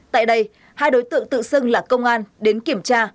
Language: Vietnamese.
tại đây hai đối tượng tự xưng là công an đến kiểm tra